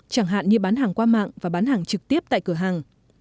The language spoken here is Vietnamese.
chẳng hạn như bán hàng qua mạng và bán hàng trực tiếp tại cửa hàng